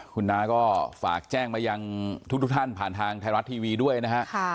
คุณน้าก็ฝากแจ้งมายังทุกท่านผ่านทางไทยรัฐทีวีด้วยนะฮะ